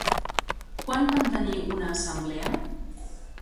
Quan van tenir una assemblea?